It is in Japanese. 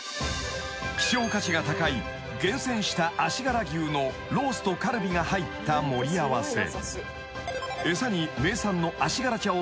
［希少価値が高い厳選した足柄牛のロースとカルビが入った盛り合わせ］